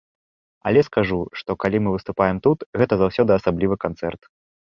Але скажу, што калі мы выступаем тут, гэта заўсёды асаблівы канцэрт.